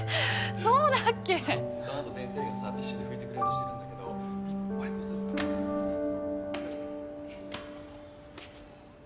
えぇそのあと先生がさティッシュで拭いてくれようとしてるんだけどいっぱいこするから。